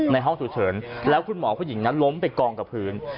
ห้องฉุกเฉินแล้วคุณหมอผู้หญิงนั้นล้มไปกองกับพื้น